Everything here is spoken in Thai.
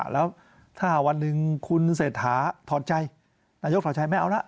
แล้วถ้าวันหนึ่งคุณเศรษฐาถอดใจนายกถอดชัยไม่เอาละ